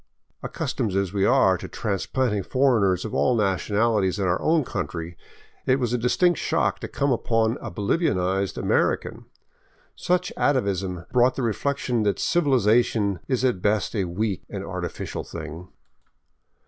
Accustomed as we are to trans planted foreigners of all nationalities in our own country, it was a dis tinct shock to come upon a Bolivianized American. Such atavism brought the reflection that civilization is at best a weak and artificial thing.